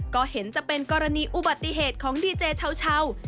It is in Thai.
ก็เห็นจะเป็นกรณีอุบัติเหตุของดีเจเช่า